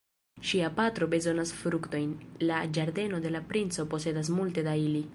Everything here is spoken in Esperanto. Ŝia patro bezonas fruktojn; la ĝardeno de la princo posedas multe da ili.